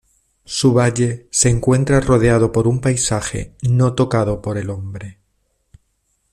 Su valle se encuentra rodeado por un paisaje no tocado por el hombre.